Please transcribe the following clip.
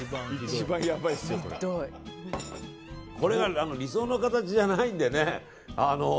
これは理想の形じゃないんでね。